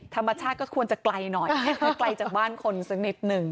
ธรรมชาติก็ควรจะไกลหน่อยไม่ไกลจากบ้านคนสักนิดหนึ่ง